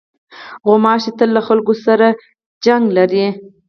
غوماشې تل له خلکو سره شخړه لري.